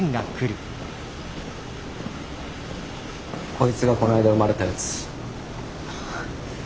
こいつがこないだ生まれたやつ。